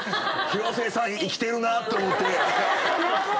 広末さん生きてるなぁと思って。